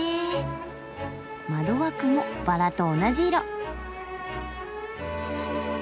窓枠もバラと同じ色！